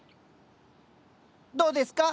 どうですか？